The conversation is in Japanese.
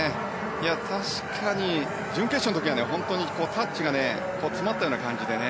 確かに、準決勝の時はタッチが詰まったような感じで。